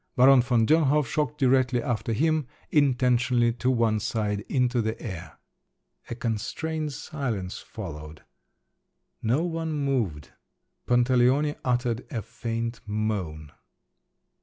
Baron von Dönhof shot directly after him—intentionally, to one side, into the air. A constrained silence followed…. No one moved. Pantaleone uttered a faint moan.